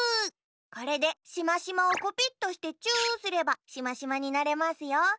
これでしましまをコピットしてチューすればしましまになれますよ。